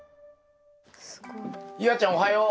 夕空ちゃんおはよう。